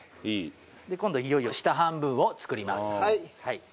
で今度はいよいよ下半分を作ります。